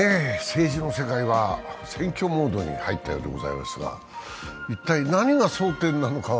政治の世界は選挙モードに入ったようでございますが、一体何が争点なのか